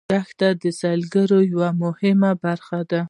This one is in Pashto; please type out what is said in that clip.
دښتې د سیلګرۍ یوه مهمه برخه ده.